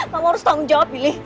kamu harus tanggung jawab pilih